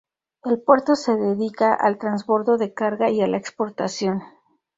El puerto se dedica al transbordo de carga y a la exportación.